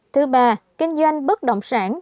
thứ ba kinh doanh bất động sản